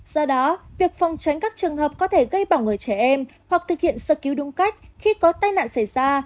do đó việc phòng tránh các trường hợp có thể gây bỏng ở trẻ em hoặc thực hiện sơ cứu đúng cách khi có tai nạn xảy ra